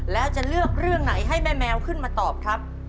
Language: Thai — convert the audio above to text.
แล้วจะเลือกเรื่องไหนให้แม่แมวขึ้นมาตอบครับ